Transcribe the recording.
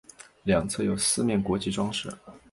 两侧有四面国旗装饰。